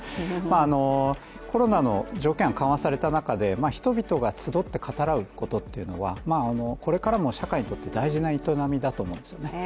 コロナの条件が緩和された中で人々が集って語らうことというのはこれからの社会にとって大事な営みだと思うんですよね。